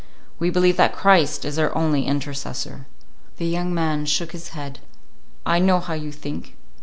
We believe that Christ is our only intercessor." The young man shook his head. "I know how you think.